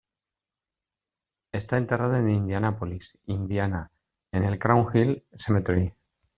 Esta enterrada en Indianapolis, Indiana en el Crown Hill Cemetery.